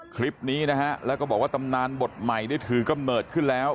คลิปนี้นะฮะแล้วก็บอกว่าตำนานบทใหม่ได้ถือกำเนิดขึ้นแล้ว